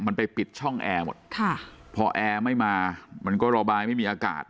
มันไปปิดช่องแอร์หมดค่ะพอแอร์ไม่มามันก็ระบายไม่มีอากาศ